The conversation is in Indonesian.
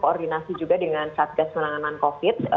koordinasi juga dengan satgas penanganan covid sembilan belas